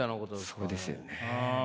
そうですよね。